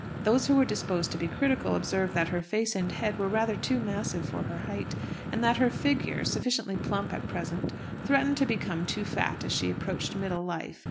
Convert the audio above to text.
Those who were disposed to be critical observed that her face and head were rather too massive for her height; and that her figure, sufficiently plump at present, threatened to become too fat as she approached middle life.